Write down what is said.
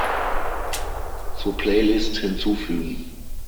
Zur Playlist hinzufügen.